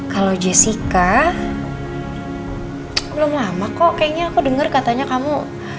kalau jessica belum lama kok kayaknya aku dengar katanya kamu